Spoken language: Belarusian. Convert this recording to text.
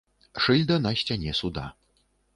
Шыльда на сцяне суда.